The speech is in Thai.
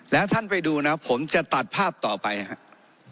แล้วท่านไปดูนะผมจะตัดภาพต่อไปครับ